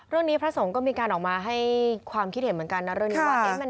พระสงฆ์ก็มีการออกมาให้ความคิดเห็นเหมือนกันนะเรื่องนี้ว่า